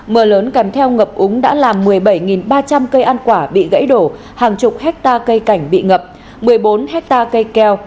mưa lớn kèm theo ngập úng đã làm một mươi bảy ba trăm linh cây ăn quả bị gãy đổ hàng chục hectare cây cảnh bị ngập một mươi bốn hectare cây keo